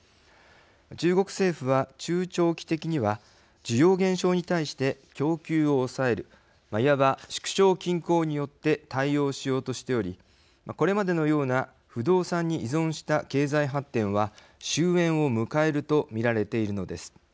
中国政府は、中長期的には需要減少に対して供給を抑えるいわば縮小均衡によって対応しようとしておりこれまでのような不動産に依存した経済発展は終えんを迎えると見られているのです。